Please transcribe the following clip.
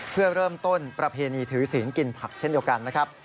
เพื่อเริ่มต้นประเพณีถือศีลกินผักเช่นเดียวกันนะครับ